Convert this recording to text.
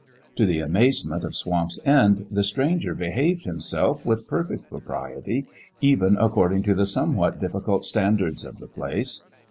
To the amazement of Swamp's End the Stranger behaved Himself with perfect pro priety even according to the somewhat difficult standards of the place.